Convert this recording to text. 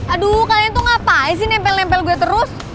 aduh kalian tuh ngapain sih nempel nempel gue terus